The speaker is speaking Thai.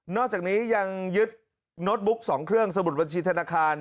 อกจากนี้ยังยึดโน้ตบุ๊ก๒เครื่องสมุดบัญชีธนาคาร